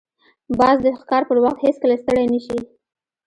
باز د ښکار پر وخت هیڅکله ستړی نه شي